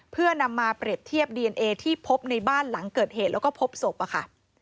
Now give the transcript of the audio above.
เพื่อนำมาเปรียบเทียบดีเอนเอที่พบในบ้านหลังเกิดเหตุแล้วก็พบศพอะค่ะ